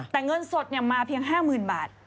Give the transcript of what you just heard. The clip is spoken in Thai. แต่เงินสดมาเพียง๕๐๐๐บาท